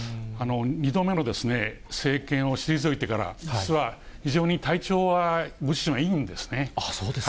２度目の政権を退いてから、実は、非常に体調は、むしろいいんですね。